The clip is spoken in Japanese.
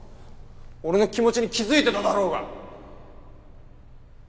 俺の気持ちに気づいてただろうが！